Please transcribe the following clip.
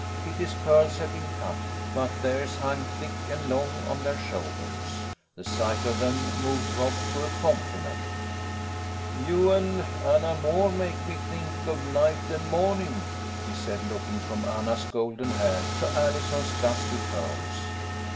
Kitty's curls had been cut, but theirs hung thick and long on their shoulders. The sight of them moved Rob to a compliment. " You and Anna Moore make me think of night and morning," he said, looking from Anna's golden hair to Allison's dusky curls.